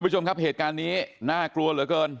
คุณผู้ชมครับเหตุการณ์นี้น่ากลัวเหลือเกิน